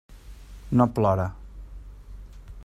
No plore.